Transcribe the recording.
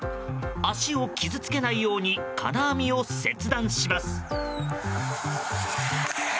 脚を傷つけないように金網を切断します。